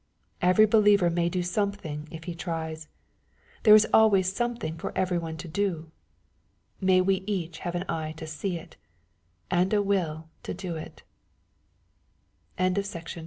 Every believer may do sometlomg if he tries. There is always something for every one to do May we each have an eye to see it, and a will to do it.